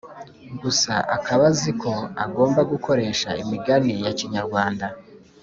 gusa akaba azi ko agomba gukoresha imigani ya kinyarwanda